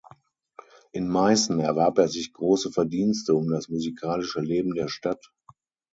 In Meißen erwarb er sich große Verdienste um das musikalische Leben der Stadt.